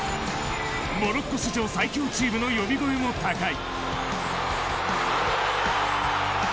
モロッコ史上最強チームの呼び声も高い。